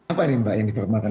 apa ini mbak yang diformalkan